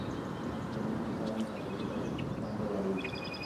Azken hamarkadan txapelketatik kanpo dabil.